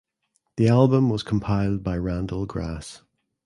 The album was compiled by Randall Grass.